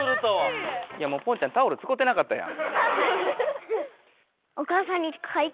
いやもうポンちゃんタオルつこうてなかったやん。